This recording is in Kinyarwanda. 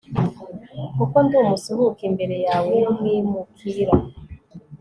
Kuko ndi umusuhuke imbere yawe N umwimukira